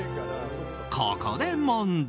ここで問題。